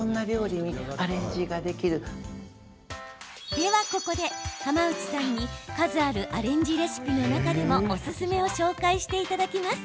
では、ここで浜内さんに数あるアレンジレシピの中でもおすすめを紹介していただきます。